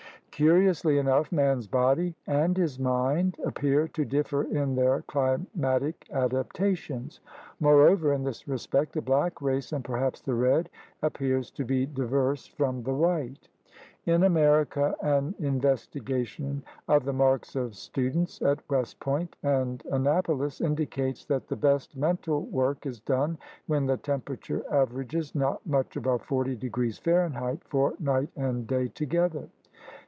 Curiously enough man's body and his mind ap pear to differ in their climatic adaptations. More over, in this respect the black race, and perhaps the red, appears to be diverse from the white. In America an investigation of the marks of students at West Point and Annapolis indicates that the best mental work is done when the temperature averages not much above 40° F. for night and day together.